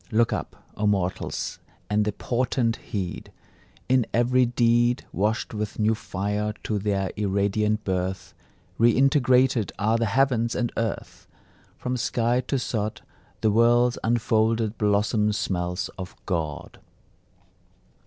Look up, O mortals, and the portent heed; In every deed, Washed with new fire to their irradiant birth, Reintegrated are the heavens and earth! From sky to sod, The world's unfolded blossom smells of God.